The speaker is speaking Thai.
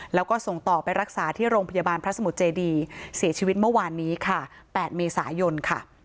แล้วก็ส่งต่อไปรักษาที่โรงพยาบาลพระสมุทรเจดีเสียชีวิตเมื่อวานนี้ค่ะ๘เมษายนค่ะ